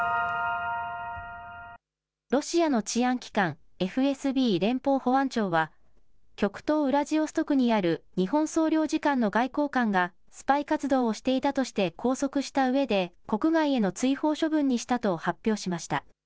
ロシアの治安機関、ＦＳＢ・連邦保安庁は、極東ウラジオストクにある日本総領事館の外交官が、スパイ活動をしていたとして拘束したうえで、国外への追放処分にしたと発表しました。